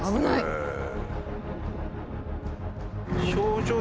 へえ！